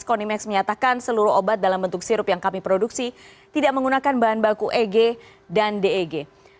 konimax menyatakan seluruh obat dalam bentuk sirup yang kami produksi tidak menggunakan bahan baku eg dan deg